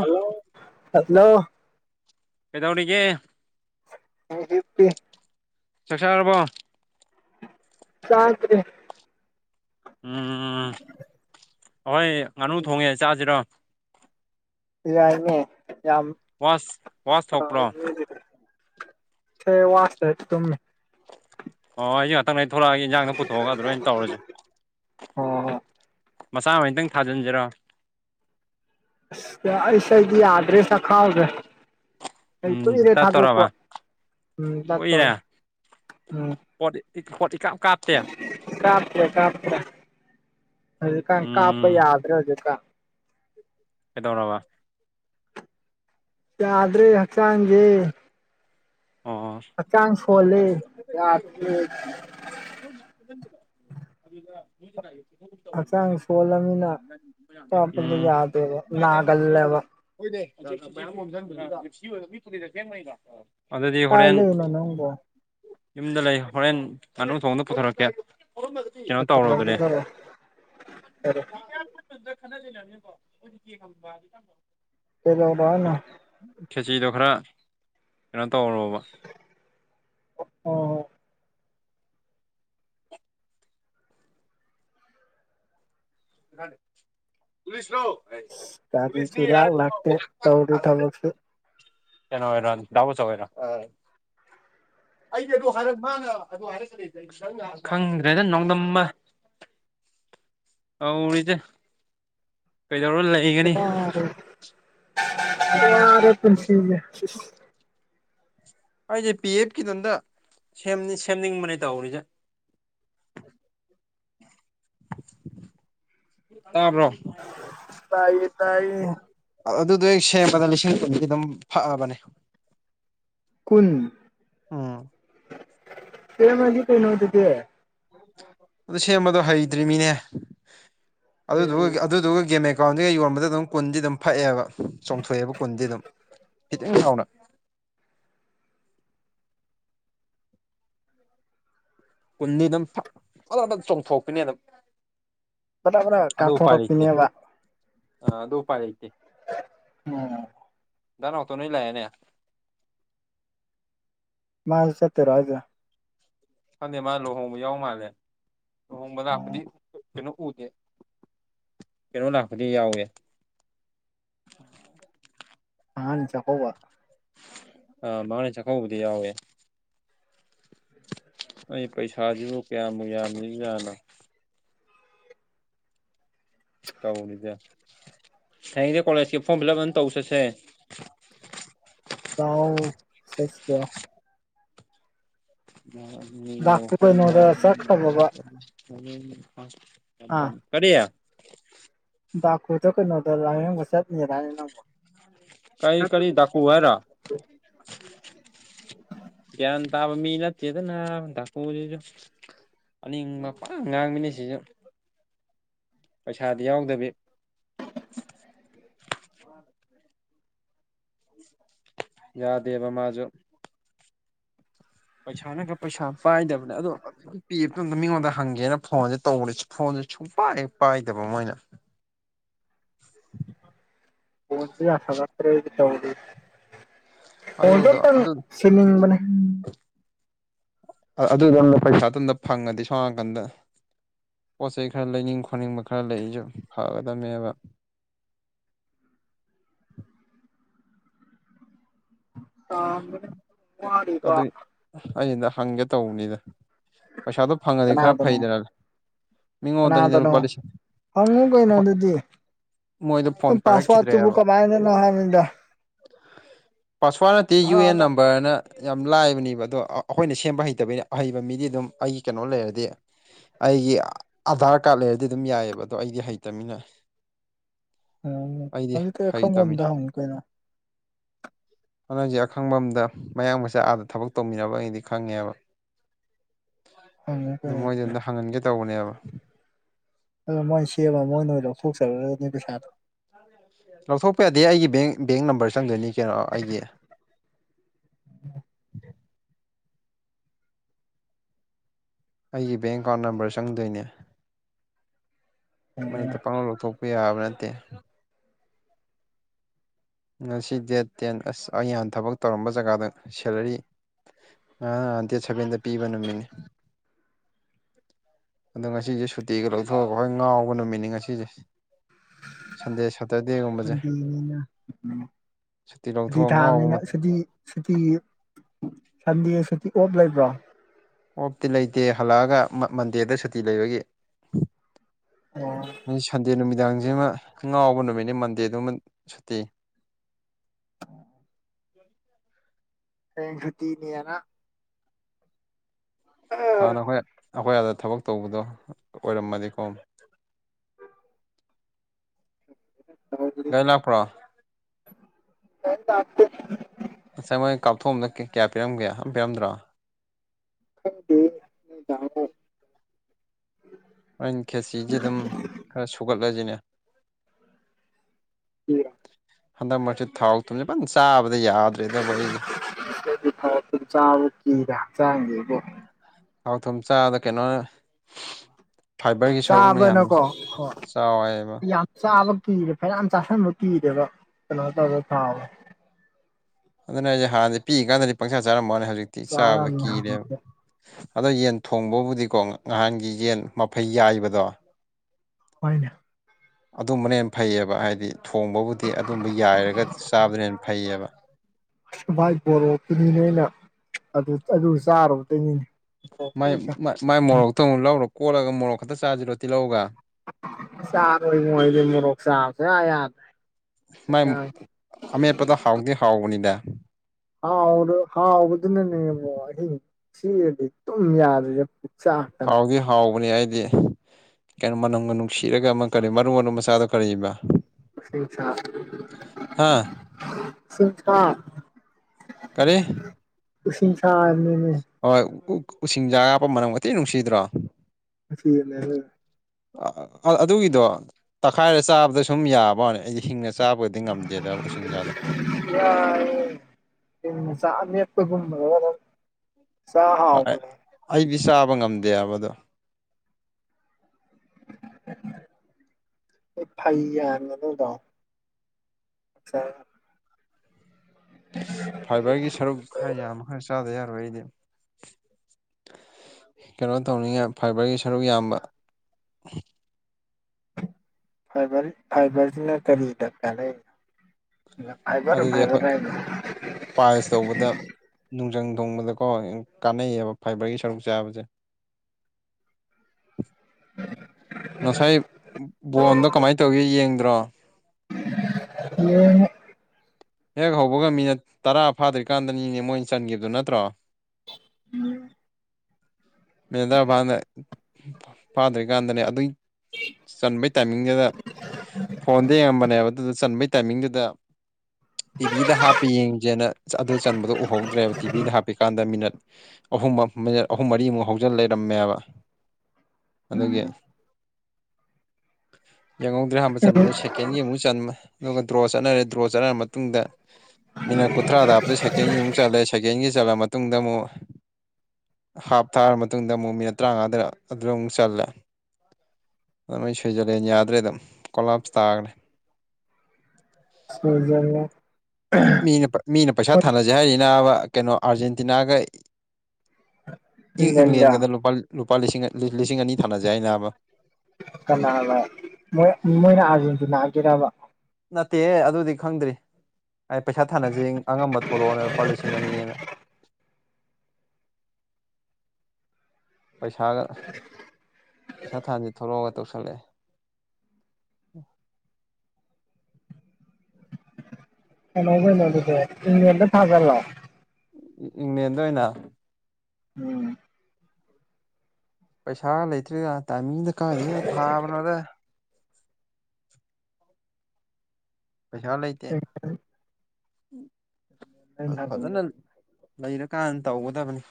hello ꯍꯠꯂꯣ ꯀꯩꯗꯧꯔꯤꯒꯦ ꯑꯩ ꯍꯤꯞ ꯆꯥꯛ ꯆꯥꯔꯕꯣ ꯆꯥꯗ꯭ꯔꯤ ꯎꯝ ꯑꯩꯈꯣꯏ ꯉꯥꯅꯨ ꯊꯣꯡꯉꯦ ꯆꯥꯖꯤꯔꯣ ꯌꯥꯏꯅꯦ ꯌꯥꯝ ꯋꯥꯁ ꯋꯥꯁ ꯊꯣꯛꯄ꯭ꯔꯣ ꯑꯦ ꯋꯥꯁꯇꯥ ꯇꯨꯝꯃꯤ ꯑꯣ ꯑꯩꯖꯨ ꯉꯥꯛꯇꯪ ꯂꯩꯔꯒ ꯊꯣꯛꯂꯛꯑꯒꯦ ꯏꯟꯖꯥꯡꯗꯣ ꯄꯨꯊꯣꯛꯑꯒ ꯑꯗꯨꯗ ꯑꯣꯢꯅ ꯇꯧꯔꯖꯤ ꯑꯣ ꯃꯆꯥ ꯑꯃꯅꯤꯇꯪ ꯊꯥꯖꯟꯖꯤꯔꯣ ꯑꯁ ꯑꯩꯁ ꯑꯩꯗꯤ ꯌꯥꯗ꯭ꯔꯦ ꯆꯈꯥꯎꯖꯦ ꯑꯩ ꯎꯝ ꯀꯨꯢꯔꯦ ꯇꯠꯇꯧꯔꯕ ꯊꯥꯗꯣꯛꯄ ꯎꯝ ꯀꯨꯏꯔꯦ [unintelligible] ꯎꯝ ꯄꯣꯠ ꯄꯣꯠ ꯏꯀꯥꯞ ꯀꯥꯞꯇꯦ ꯀꯥꯞꯇ꯭ꯔꯦ ꯀꯥꯞꯇ꯭ꯔꯦ ꯍꯧꯖꯤꯛꯀꯥꯟ ꯀꯥꯞꯄ ꯎꯝ ꯌꯥꯗ꯭ꯔꯦ ꯍꯧꯖꯤꯛꯀꯥꯟ ꯀꯩꯗꯧꯔꯕ ꯌꯥꯗ꯭ꯔꯦ ꯍꯛꯆꯥꯡꯖꯦ ꯑꯣ ꯎꯝ ꯍꯛꯆꯥꯡ ꯁꯣꯜꯂꯦ ꯌꯥꯗꯤꯌꯦ ꯑꯁ ꯑꯩꯈꯣꯢ ꯃꯌꯥꯝ ꯐꯨꯖꯟꯕꯗꯣ ꯑꯗꯨꯗ [unintelligible] ꯍꯛꯆꯥꯡ ꯁꯣꯜꯂꯝꯅꯤꯅ ꯀꯥꯞꯄꯗꯣ ꯌꯥꯗꯦꯕ ꯅꯥꯒꯜꯂꯦꯕ ꯍꯣꯢꯅꯦ ꯃꯌꯥꯝ ꯑꯣꯝꯖꯟꯕꯗꯨꯗ ꯖꯤꯞꯁꯤ ꯑꯣꯢꯔ ꯃꯤ ꯄꯨꯂꯤꯁ ꯑꯁꯦꯡꯕꯅꯤꯗꯣ ꯑꯗꯨꯗꯤ ꯀꯥꯏ ꯍꯣꯔꯦꯟ ꯂꯩꯅꯣ ꯅꯪꯕꯣ ꯌꯨꯝꯗ ꯂꯩ ꯍꯣꯔꯦꯟ ꯉꯥꯅꯨ ꯊꯣꯡꯕꯗꯣ ꯄꯨꯊꯣꯔꯛꯀꯦ ꯀꯩꯅꯣ ꯇꯧꯔꯕꯅꯦ [unintelligible] ꯈꯠꯅ ꯆꯩꯅꯕꯅꯤꯅꯀꯣ ꯑꯩꯈꯣꯢꯗꯤ [unintelligible] ꯀꯩꯗꯧꯔꯝꯃꯣ ꯍꯥꯏꯅꯣ ꯈꯦꯆꯤꯗꯣ ꯈꯔ ꯀꯩꯅꯣ ꯇꯧꯔꯣꯕ ꯑꯣ ꯄꯨꯂꯤꯁ ꯂꯣ ꯇꯔꯤ ꯄꯨꯂꯤꯁꯅꯤ ꯆꯨꯂꯥꯛ ꯂꯥꯛꯇꯦ ꯇꯧꯔꯤ ꯊꯕꯛꯁꯦ ꯗꯥ ꯕꯣꯆꯥ ꯍꯣꯏꯔꯣ ꯑꯩꯗꯤ ꯑꯗꯨ ꯃꯅꯥ ꯑꯗꯨ ꯈꯪꯗꯔ꯭ꯦꯗꯥ ꯅꯣꯡꯗꯝꯕ ꯇꯧꯔꯤꯖꯦ ꯀꯩꯗꯧꯔ ꯂꯩ ꯋꯔꯦ ꯋꯔꯦ ꯄꯨꯟꯁꯤꯁꯦ ꯑꯩꯁꯦ ꯄꯤ ꯑꯦꯐ ꯀꯤꯗꯨ ꯑꯃꯒꯥ ꯁꯦꯝꯗꯤ ꯁꯦꯝꯅꯤꯡꯕꯅꯦ ꯇꯧꯔꯤꯁꯦ ꯇꯥꯕ꯭ꯔꯣ ꯇꯥꯏꯌꯦ ꯇꯥꯏꯌꯦ ꯑꯗꯨꯗꯣ ꯍꯦꯛ ꯁꯦꯝꯕꯗ ꯂꯤꯁꯤꯡ ꯀꯨꯟꯗꯤ ꯑꯗꯨꯝ ꯐꯛꯑꯕꯅꯦ ꯀꯨꯟ ꯎꯝ ꯁꯦꯃꯁꯦ ꯀꯩꯅꯣ ꯑꯗꯨꯗꯤ ꯑꯗꯨ ꯁꯦꯝꯕꯗꯣ ꯍꯩꯇ꯭ꯔꯤꯝꯃꯤꯅꯦ ꯑꯗꯨꯗꯨꯒ ꯎꯝ ꯑꯗꯨꯗꯨꯒ ꯒꯦꯝꯃꯦ ꯀꯥꯎꯟꯁꯤꯒ ꯌꯣꯟꯕꯗ ꯑꯗꯨꯝ ꯀꯨꯟꯗꯤ ꯑꯗꯨꯝ ꯐꯛꯑꯦꯕ ꯆꯣꯡꯊꯣꯛꯑꯦꯕ ꯀꯨꯟꯗꯤ ꯑꯗꯨꯝ ꯈꯤꯇꯤꯡ ꯆꯥꯎꯅ ꯀꯨꯟꯗꯤ ꯑꯗꯨꯝ ꯐ ꯐꯠꯂꯥꯎ ꯆꯣꯡꯊꯣꯛꯄꯤꯅꯦ ꯑꯗꯨꯝ ꯕꯔꯥ ꯕꯔꯥ ꯑꯗꯣ ꯎꯄꯥꯏ ꯂꯩꯇꯦ ꯀꯥꯞꯊꯣꯔꯛꯄꯤꯅꯦꯕ ꯑꯥ ꯑꯗꯨ ꯎꯄꯥꯏ ꯂꯩꯇꯦ ꯎꯝ ꯗꯥ ꯅꯥꯎꯇꯣꯟ ꯍꯣꯏ ꯂꯥꯛꯑꯦꯅꯦ ꯃꯥꯁꯨ ꯆꯠꯇꯣꯏꯔꯣ ꯍꯥꯏꯁꯦ ꯈꯪꯗꯦ ꯃꯥ ꯂꯨꯍꯣꯡꯕ ꯌꯥꯎ ꯃꯥꯜꯂꯦ ꯂꯨꯍꯣꯡꯕ ꯂꯥꯛꯄꯗꯤ ꯀꯩꯅꯣ ꯎꯗꯦ ꯀꯩꯅꯣ ꯂꯥꯛꯄꯗꯤ ꯌꯥꯎꯋꯦ ꯃꯉꯥꯅꯤ ꯆꯥꯛꯀꯧꯕ ꯑꯥ ꯃꯉꯥꯅꯤ ꯆꯥꯛꯀꯧꯕꯗꯤ ꯌꯥꯎꯋꯦ [inaudible] ꯑꯩ ꯄꯩꯁꯥꯁꯤꯕꯨ ꯀꯌꯥꯃꯨ ꯌꯥꯝꯃꯤꯖꯅꯣ ꯇꯧꯔꯤꯁꯦ ꯍꯌꯦꯡꯁꯦ ꯀꯣꯂꯦꯖꯀꯤ ꯐꯣꯝ ꯐꯤꯜꯂꯞ ꯑꯟ ꯇꯧꯁꯠꯁꯦ [unintelligible] ꯗꯥꯛꯀꯨ ꯀꯩꯅꯣꯗ ꯑꯅꯤ꫰ꯑꯍꯨꯝ꫰ꯃꯔꯤ ꯆꯠꯈ꯭ꯔꯕꯕ [unintelligible] ꯀꯔꯤ ꯗꯥꯛꯈꯣꯗ ꯀꯩꯅꯣꯗ ꯂꯥꯏꯌꯦꯛꯕ ꯆꯠꯅꯤ ꯑꯗꯥꯏꯅꯦ ꯅꯪꯕꯣ ꯀꯥꯏ ꯀꯔꯤ ꯗꯥꯛꯀꯨ ꯍꯥꯏꯔꯣ ꯒ꯭ꯌꯥꯟ ꯇꯥꯕ ꯃꯤ ꯅꯠꯇꯦꯗ ꯅꯥꯕ ꯗꯥꯛꯀꯨꯖꯤꯖꯨ ꯑꯅꯤꯡꯕ ꯄꯉꯥꯛ ꯉꯥꯡꯕꯤꯅꯦ ꯁꯤꯁꯨ ꯄꯩꯁꯥꯗꯤ ꯌꯥꯎꯗꯕꯤ ꯌꯥꯗꯦꯕ ꯃꯥꯁꯨ ꯄꯩꯁꯥꯅꯒ ꯄꯩꯁꯥ ꯄꯥꯏꯗꯕꯅꯦ ꯑꯗꯣ ꯄꯤꯞ ꯃꯇꯨꯡꯗ ꯃꯤꯉꯣꯟꯗ ꯍꯪꯒꯦꯅ ꯐꯣꯟꯁꯦ ꯇꯧꯕꯅꯦ ꯐꯣꯟꯁꯦ ꯁꯨꯡ ꯄꯥꯏ ꯄꯥꯏꯗꯕ ꯃꯣꯏꯅ ꯐꯣꯟ ꯁꯨ ꯌꯥꯁꯤꯜꯂꯛꯇꯔ꯭ꯦ ꯇꯧꯔꯤꯁꯦ ꯑꯗꯨꯗꯣ ꯑꯗꯨ ꯁꯤꯟꯅꯤꯡꯕꯅꯦ ꯑꯗꯨꯗꯅ ꯄꯩꯁꯥꯗꯨꯝꯇ ꯐꯪꯉꯗꯤ ꯁꯣꯟ ꯅꯥꯀꯟꯗ ꯄꯣꯠ ꯆꯩꯩ ꯈꯔ ꯂꯩꯅꯤꯡ ꯈꯣꯠꯅꯤꯡꯕ ꯈꯔ ꯂꯩꯔꯤꯁꯨ ꯐꯒꯗꯝꯅꯦꯕ ꯇꯟꯕꯅꯥ ꯋꯔꯤꯕꯥ ꯑꯩ ꯑꯟꯗ ꯍꯪꯒꯦ ꯇꯧꯕꯅꯤꯗ ꯄꯩꯁꯥꯗꯣ ꯐꯪꯉꯗꯤ ꯈꯔ ꯀꯅꯥꯗꯅꯣ ꯐꯩꯗꯅ ꯃꯤꯉꯣꯟꯗꯅꯤꯅ ꯀꯅꯥꯗꯅꯣ ꯂꯨꯄꯥ ꯂꯤꯁꯤꯡ ꯍꯪꯉꯨ ꯀꯩꯅꯣ ꯑꯍ ꯑꯗꯨꯗꯤ ꯃꯣꯏꯗ ꯐꯣꯟ ꯄꯥꯏꯔꯛꯈꯦ ꯑꯇꯨꯕꯨ ꯀꯃꯥꯏꯅꯅꯣ ꯍꯥꯏꯝꯅꯤꯗ ꯄꯥꯁꯋꯥꯠ ꯅꯠꯇꯦ ꯌꯨ ꯑꯦꯟ ꯍꯥꯟꯅ ꯅꯝꯕꯔꯑꯅ ꯌꯥꯝ ꯂꯥꯏꯕꯅꯤꯕ ꯑꯗꯣ ꯑꯩꯈꯣꯏꯅ ꯁꯦꯝꯕ ꯍꯩꯇꯕꯩꯅꯦ ꯑꯍꯩꯕ ꯃꯤꯗꯤ ꯑꯗꯨꯝ ꯑꯩꯒꯤ ꯀꯩꯅꯣ ꯂꯩꯔꯗꯤ ꯑꯩꯒꯤ ꯑꯙꯥꯔ ꯀꯥꯔꯗ ꯂꯩꯔꯗꯤ ꯑꯗꯨꯝ ꯌꯥꯏꯑꯕ ꯑꯗꯣ ꯑꯩꯗꯤ ꯍꯩꯇꯃꯤꯅ ꯎꯝ ꯑꯗꯨꯗꯤ ꯍꯩꯇꯕꯅꯤ ꯑꯈꯪꯕꯝꯗ ꯍꯪꯉꯨ ꯀꯩꯅꯣ ꯗꯨꯅꯦ ꯍꯥꯏꯖꯦ ꯑꯈꯪ ꯕꯝꯗ ꯃꯌꯥꯡ ꯃꯆꯥ ꯑꯥꯗ ꯊꯕꯛ ꯇꯧꯃꯤꯟꯅꯕꯒꯩꯗꯤ ꯈꯪꯉꯦꯕ ꯍꯪꯉꯨ ꯀꯩꯅꯣ ꯃꯣꯏꯗ ꯑꯗꯨꯗꯤ ꯑꯝꯗ ꯍꯪꯉꯟꯒꯦ ꯇꯧꯕꯅꯦꯕ ꯑꯗꯣ ꯃꯣꯏ ꯁꯦꯝꯃ ꯃꯣꯏꯅ ꯑꯣꯏ ꯂꯧꯊꯣꯛꯆꯥꯒꯔꯥꯅꯤ ꯄꯩꯁꯥꯗꯣ ꯂꯧꯊꯣꯛꯄ ꯌꯥꯗꯦ ꯑꯩꯒꯤ ꯕꯦꯡ ꯕꯦꯡ ꯅꯝꯕꯔ ꯆꯪꯗꯣꯏꯅꯤ ꯀꯩꯅꯣ ꯑꯩꯒꯤ ꯑꯩꯒꯤ ꯕꯦꯡ ꯑꯦꯀꯥꯎꯟ ꯅꯝꯕꯔ ꯆꯪꯗꯣꯏꯅꯦ ꯃꯣ ꯍꯦꯛꯇ ꯄꯪꯂꯧ ꯂꯧꯊꯣꯛꯄ ꯌꯥꯕ ꯅꯠꯇꯦ ꯉꯁꯤ ꯗꯦꯠ ꯇꯦꯟ ꯑꯁ ꯑꯩ ꯍꯥꯟ ꯊꯕꯛ ꯇꯧꯔꯝꯕ ꯖꯒꯥꯗ ꯁꯦꯂꯔꯤ ꯉꯔꯥꯡ ꯉꯥꯍꯥꯟ ꯗꯦꯠ ꯁꯚꯦꯟꯗ ꯄꯤꯕ ꯅꯨꯃꯤꯠꯅꯤ ꯑꯗꯣ ꯉꯁꯤꯖꯦ ꯁꯨꯇꯤꯒ ꯂꯧꯊꯣꯛꯑꯒ ꯈꯣꯏ ꯉꯥꯎꯕ ꯅꯨꯃꯤꯠꯅꯤ ꯉꯁꯤꯖꯦ ꯁꯟꯗꯦ ꯁꯪ ꯁꯟꯗꯦꯅꯤꯅ ꯁꯨꯇꯤ ꯂꯧꯊꯣꯛꯑꯒ ꯊꯥꯕꯅꯤꯅ ꯉꯥꯎꯕ ꯁꯨꯇꯤ ꯁꯨꯇꯤ ꯁꯟꯗꯦ ꯁꯨꯇꯤ ꯑꯣꯐ ꯂꯩꯕ꯭ꯔꯣ ꯑꯣꯞꯇꯤ ꯂꯩꯇꯦ ꯍꯜꯂꯛꯑꯒ ꯃꯟꯗꯦꯗ ꯁꯨꯇꯤ ꯂꯩꯕꯒꯤ ꯑꯣ ꯁꯟꯗꯦ ꯅꯨꯃꯤꯗꯥꯡꯖꯤꯃꯥ ꯉꯥꯎꯕ ꯅꯨꯃꯤꯠꯅꯤ ꯃꯟꯗꯦꯗꯨꯃ ꯁꯨꯇꯤ [inaudible] ꯍꯌꯦꯡ ꯁꯨꯇꯤ ꯅꯦꯅ ꯍꯥꯟꯅ ꯇꯧꯕꯅꯤ ꯑꯈꯣꯏ ꯑꯈꯣꯏ ꯑꯥꯗ ꯊꯕꯛ ꯇꯧꯕꯗꯣ ꯑꯣꯏꯔꯝꯃꯗꯤꯀꯣ ꯒꯥꯔꯤ ꯂꯥꯛꯄ꯭ꯔꯣ [unintelligible] ꯉꯁꯥꯏ ꯃꯣꯏ ꯀꯥꯞꯊꯣꯛꯑꯝꯗ ꯀꯌꯥ ꯄꯤꯔꯝꯒꯦ ꯑꯝ ꯄꯤꯔꯝꯗ꯭ꯔꯣ ꯈꯪꯗꯦ ꯅꯣꯏ ꯗꯥ ꯍꯣꯏ ꯑꯩꯅ ꯈꯦꯆꯤꯖꯦ ꯑꯗꯨꯝ ꯈꯔꯥ ꯁꯨꯒꯠꯂꯖꯤꯅꯦ [unintelligible] ꯍꯟꯗꯛ ꯃꯔꯛꯁꯤ ꯊꯥꯎ ꯊꯨꯝꯖꯦ ꯐꯟ ꯆꯥꯕꯗ ꯌꯥꯗ꯭ꯔꯦꯗꯕꯣ ꯑꯩꯁꯦ ꯑꯩꯗꯤ ꯊꯥꯎꯁꯦ ꯆꯥꯕ ꯀꯤꯗ ꯍꯛꯆꯥꯡꯖꯦꯕꯣ ꯊꯥꯎ ꯊꯨꯝ ꯆꯥꯗ ꯀꯩꯅꯣꯔꯥ ꯐꯥꯏꯕꯔꯒꯤ ꯁꯔꯨꯛꯅ ꯌꯥꯝꯅ ꯆꯥꯕꯅꯀꯣ ꯍꯣꯏ ꯆꯥꯎ ꯍꯥꯏꯕ ꯌꯥꯝ ꯆꯥꯕ ꯀꯤꯔꯦ ꯐꯩꯅꯥꯝ ꯆꯥꯁꯟꯕ ꯀꯤꯗꯦꯕ ꯀꯩꯅꯣ ꯇꯧꯔꯒ ꯊꯥꯎ ꯑꯗꯨꯅꯦ ꯍꯥꯢꯖꯦ ꯍꯥꯟꯗꯤ ꯄꯤꯏꯀꯥꯟꯗꯗꯤ ꯄꯪꯆꯥ ꯆꯥꯔꯝꯕꯋꯥꯅꯦ ꯍꯧꯖꯤꯛꯇꯤ ꯆꯥꯕꯗ ꯆꯥꯔꯝꯅꯦ ꯀꯤꯔꯦꯕ ꯍꯧꯖꯤꯛꯇꯤ ꯑꯗꯣ ꯌꯦꯟ ꯊꯣꯡꯕꯕꯨꯗꯤꯀꯣ ꯉꯍꯥꯟꯒꯤ ꯌꯦꯟ ꯃꯐꯩ ꯌꯥꯏꯕꯗꯣ ꯍꯣꯏꯅꯦ ꯑꯗꯨꯝꯕꯅ ꯍꯦꯟ ꯐꯩꯌꯦꯕ ꯍꯥꯏꯗꯤ ꯊꯣꯡꯕꯕꯨꯗꯤ ꯑꯗꯨꯝꯕ ꯌꯥꯏꯔꯒ ꯆꯥꯕꯅ ꯍꯦꯟꯅ ꯐꯩꯌꯦꯕ ꯃꯥꯏ ꯃꯣꯔꯣꯛꯇꯨꯅꯤꯅꯦ ꯑꯩꯅ ꯑꯗꯨ ꯑꯗꯨ ꯆꯥꯔꯨꯕꯗꯩꯅꯤꯅꯦ ꯃꯥꯏ ꯃꯣꯔꯣꯛꯇꯩ ꯃꯥꯏ ꯃꯣꯔꯣꯛꯇꯣ ꯑꯃꯨꯛ ꯂꯧꯔ ꯀꯣꯠꯂꯒ ꯃꯣꯔꯣꯛ ꯈꯛꯇꯥ ꯆꯥꯖꯤꯔꯣ ꯇꯤꯜꯍꯧꯒ ꯆꯥꯔꯣ ꯏꯉꯣ ꯑꯩꯗꯤ ꯃꯣꯔꯣꯛ ꯆꯥꯕ ꯁꯨꯛꯌꯥ ꯌꯥꯗ꯭ꯔꯦ ꯃꯥꯏ ꯍꯛꯆꯥꯡ ꯑꯃꯦꯠꯄꯗꯣ ꯍꯥꯎꯗꯤ ꯍꯥꯎꯕꯅꯤꯗ ꯍꯥꯎꯔꯣ ꯍꯥꯎꯕꯗꯨꯅꯅꯦꯃꯦ ꯑꯍꯤꯡ ꯆꯦꯜꯂꯤ ꯇꯨꯝ ꯌꯥꯗ꯭ꯔꯤꯖꯦ ꯍꯥꯎꯗꯤ ꯍꯥꯎꯕꯅꯤ ꯍꯥꯏꯗꯤ ꯀꯩꯅꯣ ꯃꯅꯝꯒ ꯅꯨꯡꯁꯤꯔꯒ ꯑꯃ ꯀꯔꯤ ꯃꯔꯨ ꯃꯔꯨ ꯃꯆꯥꯗꯣ ꯀꯔꯤꯑꯕ ꯎꯁꯤꯡꯁꯥ ꯎꯁꯤꯡꯁꯥ ꯀꯔ‌ꯦ ꯎꯁꯤꯡꯁꯥ ꯍꯥꯏꯕꯅꯦꯃꯤ ꯍꯣꯏ ꯎ ꯎꯁꯤꯡꯖꯥ ꯍꯥꯥꯞꯄ ꯃꯅꯝꯒ ꯊꯤ ꯅꯨꯡꯁꯤꯗ꯭ꯔꯣ ꯅꯨꯡꯁꯤꯕꯅꯦ ꯑꯗꯨ ꯑꯥ ꯑꯥ ꯑꯗꯨꯒꯤꯗꯣ ꯇꯛꯈꯥꯏꯔ ꯆꯥꯕꯗ ꯁꯨꯝ ꯌꯥꯕ ꯋꯥꯅꯦ ꯑꯩꯗꯤ ꯍꯤꯡꯅ ꯆꯥꯕꯒꯗꯤ ꯉꯝꯗꯦꯗ ꯎꯁꯤꯡꯁꯥꯗꯣ [unintelligible] ꯌꯥꯏꯌꯦ ꯍꯤꯡꯅ ꯆꯥ ꯑꯃꯦꯠꯄꯒꯨꯝꯕꯗꯣ ꯑꯗꯨꯝ ꯆꯥ ꯍꯣꯏ ꯑ ꯍꯥꯎꯕꯅꯦ ꯑꯩꯗꯤ ꯆꯥꯕ ꯉꯝꯗꯦ ꯍꯥꯏꯕ ꯑꯗꯣ [unintelligible] ꯍ‌ꯣꯏ ꯐꯩ ꯍꯥꯏꯕꯅ‌ꯦ ꯑꯗꯨꯗ‌ꯣ ꯈꯔ ꯐꯥꯏꯕꯔꯒꯤ ꯁꯔꯨꯛ ꯈꯔ ꯌꯥꯝ ꯈꯔ ꯆꯥꯗ ꯌꯥꯔꯣꯏ ꯑꯩꯗꯤ ꯀꯩꯅꯣ ꯇꯧꯅꯤꯡꯉꯥꯢ ꯐꯥꯏꯕꯔꯒꯤ ꯁꯔꯨꯛ ꯌꯥꯝꯕ ꯐꯥꯢꯕꯔ ꯐꯥꯏꯕꯔꯖꯤꯅ ꯀꯔꯤꯗ ꯀꯥꯟꯅꯩꯅꯣ ꯐꯥꯏꯕꯔ ꯐꯥꯏꯕꯔ ꯍꯥꯏ [unintelligible] ꯄꯥꯢꯜꯁ ꯇꯧꯕꯗ ꯅꯨꯡꯖꯪ ꯊꯨꯡꯕꯗꯀꯣ ꯀꯥꯟꯅꯩꯌꯦꯕ ꯐꯥꯏꯕꯔꯒꯤ ꯁꯔꯨꯛ ꯆꯥꯕꯖ‌ꯦ ꯉꯁꯥꯏ ꯕꯣꯟꯗꯣ ꯀꯃꯥꯏꯅ ꯇꯧꯒꯦ ꯌꯦꯡꯗ꯭ꯔꯣ ꯌꯦꯡꯉꯦ ꯍꯦꯛ ꯍꯧꯕꯒ ꯃꯤꯅꯠ ꯇꯔꯥ ꯐꯥꯗ꯭ꯔꯤꯀꯥꯟꯗꯅꯤꯅꯦ ꯃꯣꯏꯅ ꯆꯟꯒꯤꯕꯗꯨ ꯅꯠꯇ꯭ꯔꯣ ꯃꯦꯗꯥ ꯕꯥꯅ‌ꯥ ꯐ ꯐꯥꯗ꯭ꯔꯤꯀꯥꯟꯗꯅꯦ ꯑꯗꯨꯏ ꯆꯟꯕꯩ ꯇꯥꯏꯃꯤꯡꯗꯨꯗ ꯐꯣꯟꯗ ꯌꯦꯡꯉꯝꯕꯅꯦꯕ ꯑꯗꯨꯗꯣ ꯆꯟꯕꯩ ꯇꯥꯏꯃꯤꯡꯗꯨꯗ ꯇꯤꯚꯤꯗ ꯍꯥꯞꯄ ꯌꯦꯡꯖꯦꯅ ꯑꯗꯨ ꯆꯟꯕꯗꯣ ꯎꯍꯧꯗ꯭ꯔꯦꯕ ꯇꯤꯚꯤꯗ ꯍꯥꯞꯄꯤꯀꯥꯟꯗ ꯃꯤꯅꯠ ꯑꯍꯨꯝ ꯃꯝ ꯃꯤꯅꯤꯠ ꯑꯍꯨꯝ ꯃꯔꯤꯃꯨꯛ ꯍꯧꯖꯤꯜ ꯂꯩꯔꯝꯃꯦꯕ ꯑꯗꯨꯒꯤ ꯌꯦꯡꯍꯧꯗ꯭ꯔꯦ ꯑꯍꯥꯥꯝꯕ ꯆꯟꯕꯗ‌ꯣ ꯁꯦꯀꯦꯟꯒꯤ ꯑꯃꯨꯛ ꯆꯟꯕ ꯑꯗꯨꯒ ꯗ꯭ꯔꯣ ꯆꯠꯅꯔꯦ ꯗ꯭ꯔꯣ ꯆꯠꯅꯔ ꯃ ꯇꯨꯡꯗ ꯃꯤꯅꯠ ꯀꯨꯟꯊ꯭ꯔꯥꯗ ꯍꯥꯕꯗ ꯁꯦꯀꯦꯟꯒꯤ ꯑꯃꯨꯛ ꯆꯜꯂꯦ ꯁꯦꯀꯦꯟꯒꯤ ꯆꯜꯂ ꯃꯇꯨꯡꯗ ꯑꯃꯨꯛ ꯍꯥꯞ ꯊꯥꯔ ꯃꯇꯨꯡꯗ ꯑꯃꯨꯛ ꯃꯤꯅꯠ ꯇꯔꯥꯉꯥ ꯗꯔ ꯑꯗꯨꯗ ꯑꯃꯨꯛ ꯆꯜꯂꯦ ꯑꯗꯨ ꯃꯣꯢ ꯁ꯭ꯋꯤꯖꯔꯂꯦꯟ ꯌꯥꯗ꯭ꯔꯦ ꯑꯗꯨꯝ ꯀꯣꯂꯥꯞꯁ ꯇꯥꯒ꯭ꯔꯦ ꯁ꯭ꯋꯤꯖꯔꯂ‌ꯦ [unintelligible] ꯃꯤꯅ ꯃꯤꯅ ꯄꯩꯁꯥ ꯊꯥꯅꯖꯦ ꯍꯥꯏꯔꯤꯅꯦ ꯅꯥꯕ ꯀꯩꯅꯣ ꯑꯥꯔꯖꯦꯟꯇꯤꯅꯥꯒ ꯢꯪ ꯏꯪꯂꯦꯟꯒ ꯏꯪꯂꯦꯟꯒꯗ ꯂꯨꯄꯥ ꯂꯨꯄꯥ ꯂꯤꯁꯤꯡ ꯂꯤꯁꯤꯡ ꯑꯅꯤ ꯊꯥꯅꯖꯦ ꯍꯥꯏ ꯅꯥꯕ ꯀꯥꯅꯅ‌ꯣ ꯃꯣꯢ ꯃꯣꯏꯅ ꯑꯥꯔꯖꯦꯟꯇꯤꯅꯥꯒꯤꯔꯕ ꯅꯠꯇꯦꯍꯦ ꯑꯗꯨꯗꯤ ꯈꯪꯗ꯭ꯔꯤ ꯑꯩ ꯄꯩꯁꯥ ꯊꯥꯅꯖ‌ꯦ ꯑꯉꯝꯕ ꯊꯣꯛꯂꯑꯣꯅ ꯂꯨꯄꯥ ꯂꯤꯁꯤꯡ ꯑꯅꯤ ꯑꯥꯅ ꯄꯩꯁꯥꯒ ꯄꯩꯁꯥ ꯊꯥꯟꯅꯖ‌ꯦ ꯊꯣꯛꯂ‌ꯣꯑꯣꯒ ꯇꯧꯁꯜꯂꯑꯦ [unintelligible] ꯀꯩꯅꯣ [unintelligible] ꯑꯗꯨꯗꯤ ꯏꯪꯂꯦꯟꯗ ꯊꯥꯖꯜꯂꯣ ꯢꯪ ꯏꯪꯂꯦꯟꯗ ꯑꯣꯏꯅ ꯎꯝ ꯄꯩꯁꯥꯒ ꯂꯩꯇ꯭ꯔꯤ ꯀꯥꯟ ꯇꯥꯏꯃꯤꯡꯗ ꯀꯥꯏꯗꯩꯅ‌ꯣ ꯊꯥꯕꯅꯣꯗ ꯄꯩꯁꯥ ꯂꯩꯇꯦ ꯐ ꯐꯖꯅ ꯂꯩꯔꯀꯥꯟ ꯇꯧꯒꯗꯕꯅꯤ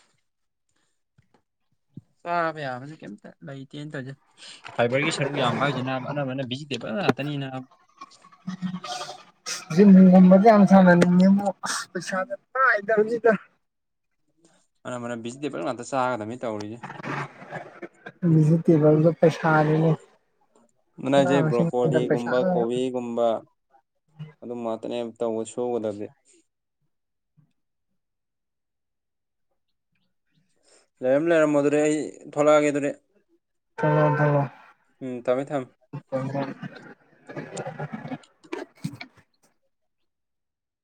ꯆꯥꯕ ꯌꯥꯕꯖꯦ ꯀꯩꯝꯇ ꯂꯩꯇꯦꯟ ꯇꯧꯏꯖꯦ ꯐꯥꯏꯕꯔꯒꯤ ꯁꯔꯨꯛ ꯌꯥꯝꯕ ꯍꯥꯏꯖꯤꯅ ꯑꯅꯝꯕꯅ ꯚꯤꯖꯤꯇꯦꯕꯜ ꯉꯥꯛꯇꯅꯤꯅ ꯖꯤꯝꯒꯨꯝꯕꯗꯤ ꯌꯥꯝ ꯁꯥꯟꯅꯅꯤꯡꯉꯦꯕꯨ ꯑꯁ ꯄꯩꯁꯥꯗꯤ ꯄꯥꯢ ꯗꯕꯖꯤꯗ ꯑꯅꯝꯕꯅ ꯚꯤꯖꯤꯇꯦꯕꯜ ꯉꯥꯛꯇ ꯆꯥꯒꯗꯕꯅꯤ ꯇꯧꯔꯤꯁꯦ ꯚꯦꯖꯤꯇꯦꯕꯜꯗꯨ ꯄꯩꯁꯥꯅꯤꯅꯦ ꯃꯅꯥ ꯃꯁꯤꯡꯗ ꯄꯩꯁꯥꯒ ꯒꯨꯨꯝꯕ ꯑꯗꯨꯝꯕ ꯉꯥꯛꯇꯅꯦ ꯇꯧꯕ ꯁꯨꯒꯗꯕꯗꯤ ꯂꯩꯔꯝ ꯂꯩꯔꯝꯃꯣ ꯑꯗꯨꯗꯤ ꯑꯩ ꯊꯣꯛꯂꯛꯑꯒꯦ ꯑꯗꯨꯗꯤ ꯊꯣꯛꯂꯛꯑꯣ ꯊꯣꯛꯂꯛꯑꯣ ꯎꯝ ꯊꯝꯃꯦ ꯊꯝꯃꯦ